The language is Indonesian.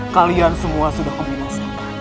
kalian semua sudah kembali ke tempat